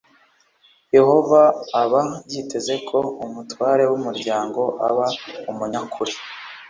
yehova aba yiteze ko umutware w umuryango aba umunyakuri